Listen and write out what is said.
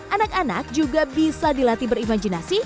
anak anak juga bisa dilatih berimajinasi